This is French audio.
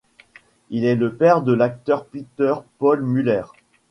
Il est le père de l'acteur Peter Paul Muller.